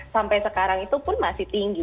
sampai sekarang itu pun masih tinggi